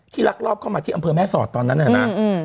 ลักลอบเข้ามาที่อำเภอแม่สอดตอนนั้นน่ะนะ